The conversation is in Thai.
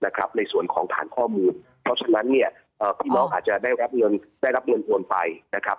นะครับในส่วนของผ่านข้อมูลเพราะฉะนั้นเนี่ยอ่าพี่น้องอาจจะได้รับเงินได้รับเงินอ่วนไปนะครับ